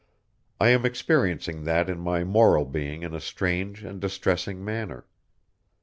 I am experiencing that in my moral being in a strange and distressing manner.